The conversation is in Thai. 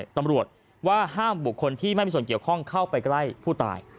ตำรวจว่าห้ามบุคคลที่ไม่มีส่วนเกี่ยวข้องเข้าไปใกล้ผู้ตาย